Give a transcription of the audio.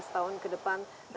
lima belas tahun ke depan